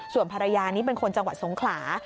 ส่วนภรรยานี้เป็นคนจังหวัดสงขลา